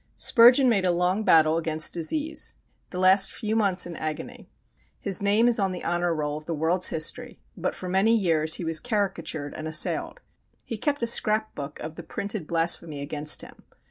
Spurgeon made a long battle against disease; the last few months in agony. His name is on the honour roll of the world's history, but for many years he was caricatured and assailed. He kept a scrap book of the printed blasphemy against him.